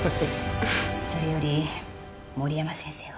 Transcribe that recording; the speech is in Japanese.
それより森山先生は。